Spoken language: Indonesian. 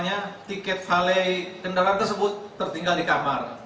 mengaku bahwa tiket valet kendaraan tersebut tertinggal di kamar